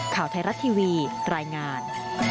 ข่าวไทยรัฐทีวีรายงาน